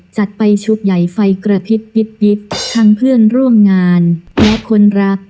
จัดไปชุดใหญ่ไฟกระพริบทั้งเพื่อนร่วมงานและคนรัก